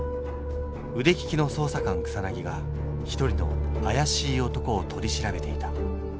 腕利きの捜査官草が一人の怪しい男を取り調べていた